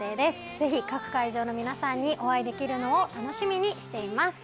ぜひ各会場の皆さんにお会いできるのを楽しみにしています。